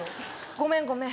ごめんごめん！